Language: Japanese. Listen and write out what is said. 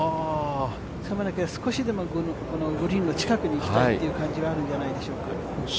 少しでもグリーンの近くに行きたいという気持ちなんじゃないでしょうか。